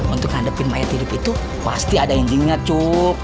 untuk ngadepin mayat hidup itu pasti ada intinya cuk